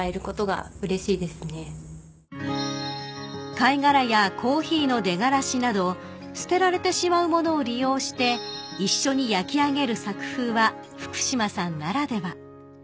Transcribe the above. ［貝殻やコーヒーの出がらしなど捨てられてしまう物を利用して一緒に焼き上げる作風は福島さんならでは］